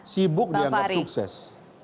sibuk dianggap sukses